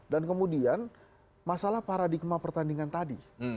dan kemudian masalah paradigma pertandingan tadi